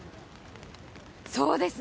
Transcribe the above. そうですね。